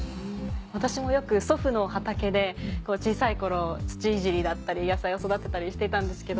私もよく祖父の畑で小さい頃土いじりだったり野菜を育てたりしていたんですけど。